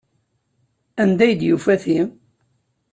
Anda ay d-yufa ti?